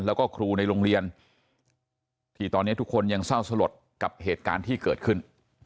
แล้วก็ครูในโรงเรียนที่ตอนนี้ทุกคนยังเศร้าสลดกับเหตุการณ์ที่เกิดขึ้น